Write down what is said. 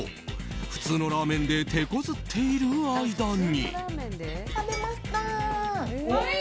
普通のラーメンで手こずっている間に。